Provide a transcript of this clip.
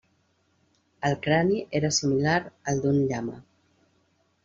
El crani era similar al d'un llama.